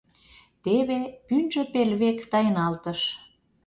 Теве пӱнчӧ пел век тайналтыш.